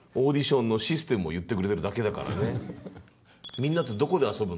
みんなとどこで遊ぶの？